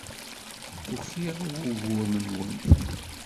Ukiɣ i wugur-nwen.